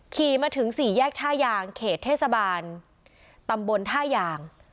ขี่มาถึงสี่แยกท่ายางเขตเทศบาลตำบลท่ายาง